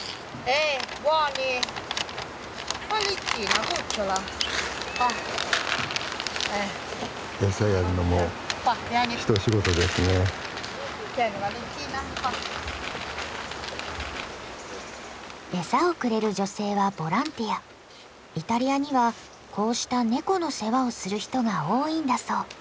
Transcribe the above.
イタリアにはこうしたネコの世話をする人が多いんだそう。